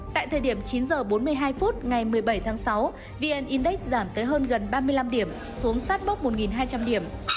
tại thời điểm chín h bốn mươi hai phút ngày một mươi bảy tháng sáu vn index giảm tới hơn gần ba mươi năm điểm xuống sát mốc một hai trăm linh điểm